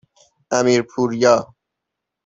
امیرپوریا